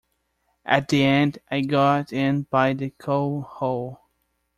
At the end I got in by the coal-hole.